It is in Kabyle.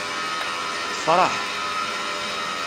Tefṛeḥ.